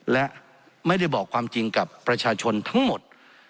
และไม่ได้บอกความจริงกับประชาชนทั้งหมด